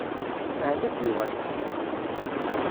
Ahat ad d-yuɣal?